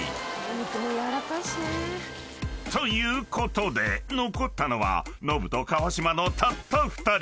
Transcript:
［ということで残ったのはノブと川島のたった２人］